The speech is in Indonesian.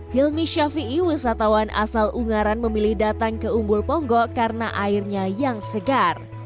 hilmi ⁇ shafii ⁇ wisatawan asal ungaran memilih datang ke umbul ponggok karena airnya yang segar